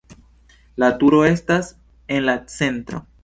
La turo estas en la centro.